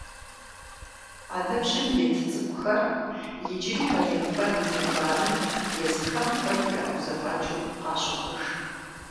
А ныбжьым ит цӏыкӏухэр иджыри балигъыпӏэ имыувами, езыхэм куэд яхыззфӏэкӏыу къащохъуж.